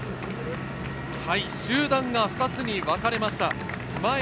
集団が２つにわかれました。